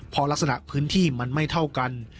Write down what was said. เพราะลักษณะพื้นที่มันไม่เท่ากัน